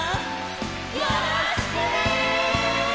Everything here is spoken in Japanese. よろしくね！